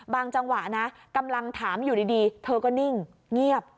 จังหวะนะกำลังถามอยู่ดีเธอก็นิ่งเงียบ